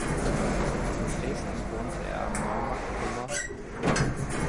In Dresden wohnte er am Neumarkt Nr.